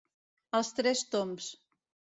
Els tres tombs.